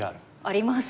あります。